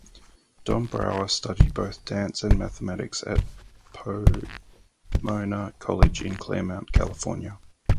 Dombrower studied both dance and mathematics at Pomona College in Claremont, California.